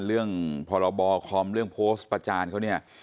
พรบคอมเรื่องโพสต์ประจานเขาเนี่ย